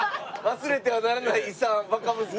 忘れてはならない遺産バカ息子。